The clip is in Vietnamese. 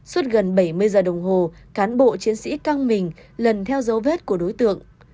suốt gần bảy mươi giờ đồng hồ cán bộ chiến sĩ căng mình lần theo dấu vết của đối tượng